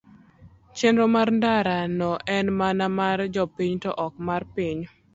chenro mar ndara no en mana mar jopiny to ok mar piny